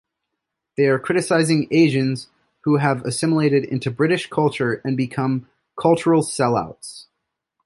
They are criticising Asians who have assimilated into British culture and become cultural sell-outs.